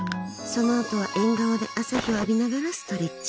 そのあとは縁側で朝日を浴びながらストレッチ。